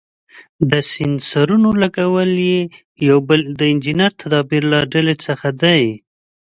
د سېنسرونو لګول یې یو بل د انجنیري تدابیرو له ډلې څخه دی.